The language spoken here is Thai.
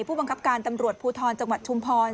ผู้บังคับการตำรวจภูทรจังหวัดชุมพร